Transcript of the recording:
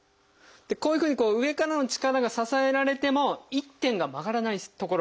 こういうふうにこう上からの力が支えられても一点が曲がらない所